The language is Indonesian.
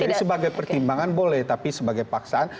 jadi sebagai pertimbangan boleh tapi sebagai paksaan